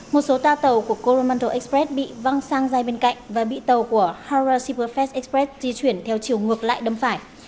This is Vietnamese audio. một số tàu của coromantel express bị văng sang dây bên cạnh và bị tàu của harrah superfast express di chuyển theo chiều ngược lại đâm phải